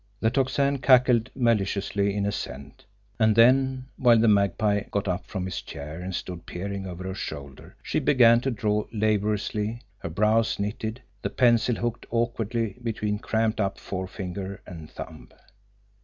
The Tocsin cackled maliciously in assent; and then, while the Magpie got up from his chair and stood peering over her shoulder, she began to draw labouriously, her brows knitted, the pencil hooked awkwardly between cramped up forefinger and thumb.